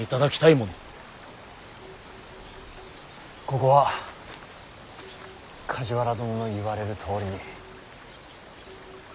ここは梶原殿の言われるとおりに。